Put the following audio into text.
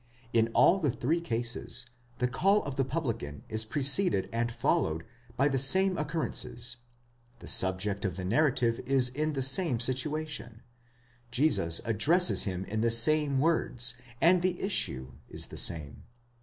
In all the three cases the call of the publican is preceded and followed by the same occur rences ; the subject of the narrative is in the same situation ; Jesus addresses him in the same words; and the issue is the same.